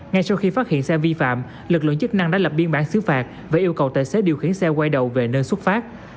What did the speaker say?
ngay sau khi phát hiện xe vi phạm lực lượng chức năng đã lập biên bản xứ phạt và yêu cầu tài xế điều khiển xe quay đầu về nơi xuất phát